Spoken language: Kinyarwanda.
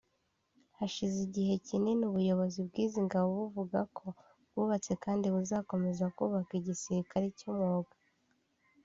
Hashize igihe kinini ubuyobozi bw’izi ngabo buvuga ko bwubatse kandi buzakomeza kubaka igisilikali cy’umwuga